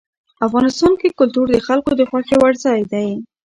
افغانستان کې کلتور د خلکو د خوښې وړ ځای دی.